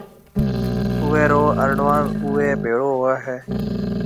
اوئيَ رو اروڻ اوئيَ ڀيڙو ھوئيَ ھيََََ